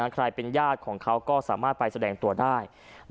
ใครเป็นญาติของเขาก็สามารถไปแสดงตัวได้